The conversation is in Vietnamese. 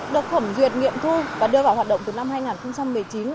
được thẩm duyệt nghiệm thu và đưa vào hoạt động từ năm hai nghìn một mươi chín